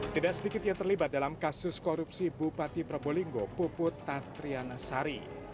tidak sedikit yang terlibat dalam kasus korupsi bupati probolinggo puput tatriana sari